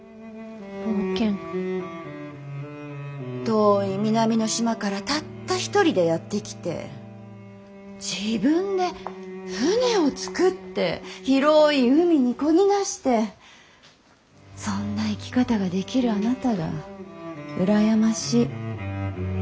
遠い南の島からたった一人でやって来て自分で舟を作って広い海にこぎ出してそんな生き方ができるあなたが羨ましい。